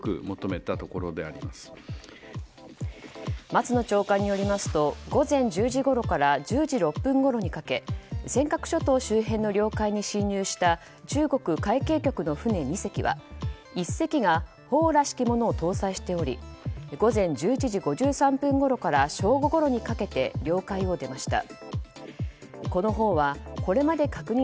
松野長官によりますと午前１０時ごろから１０時６分ごろにかけ尖閣諸島周辺の領海に侵入した中国海警局の船２隻は１隻が砲らしきものを搭載しており午前１１時５３分ごろから正午ごろにかけて領海を出ました。